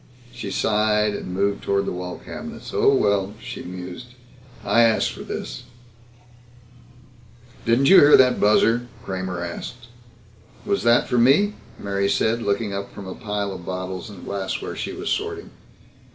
She sighed and moved toward the wall cabinets. "Oh well," she mused, "I asked for this." "Didn't you hear that buzzer?" Kramer asked. "Was that for me?" Mary said, looking up from a pile of bottles and glassware she was sorting.